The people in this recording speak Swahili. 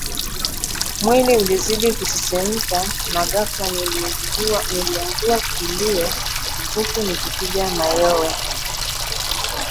Mwili ulizidi kunisisimka na ghafla niliangua kilio huku nikipiga mayowe